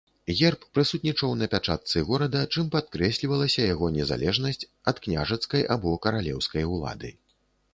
Герб прысутнічаў на пячатцы горада, чым падкрэслівалася яго незалежнасць ад княжацкай або каралеўскай улады.